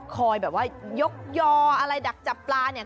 แบบว่ายกยออะไรดักจับปลาเนี่ย